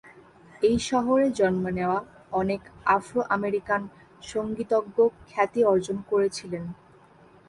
এ শহরে জন্ম নেওয়া অনেক আফ্রো-আমেরিকান সংগীতজ্ঞ খ্যাতি অর্জন করেছিলেন।